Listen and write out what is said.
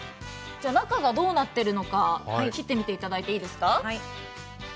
中がどうなっているのか、切ってみていただいていいですか？